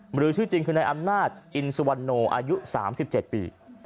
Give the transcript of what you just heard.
หรือชื่อจริงคือนายอำนาจอินสุวรรณโนอายุ๓๗ปี